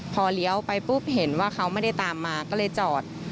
พอเลี้ยวไปปุ๊บเห็นว่าเขาไม่ได้ตามมาก็เลยจอด